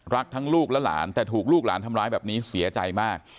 รักทั้งลูกและหลานแต่ถูกลูกหลานทำร้ายแบบนี้เสียใจมาก